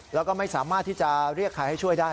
แล้วก็ไม่สามารถที่จะเรียกใครให้ช่วยได้